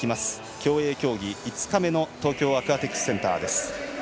競泳競技５日目の東京アクアティクスセンターです。